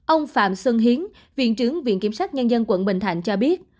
ông phạm xuân hiến viện trưởng viện kiểm sát nhân dân quận bình thạnh cho biết